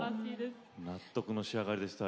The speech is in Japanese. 納得の仕上がりでした。